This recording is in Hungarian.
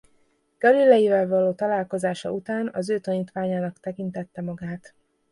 Galileivel való találkozása után az ő tanítványának tekintette magát.